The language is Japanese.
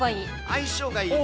相性がいい。